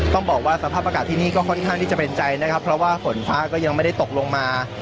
ต้องบอกว่าสภาพอากาศที่นี่ก็ค่อนข้างที่จะเป็นใจนะครับเพราะว่าฝนฟ้าก็ยังไม่ได้ตกลงมา